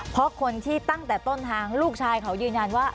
เพราะคนที่ตั้งแต่ต้นทางลูกชายเขายืนยันว่า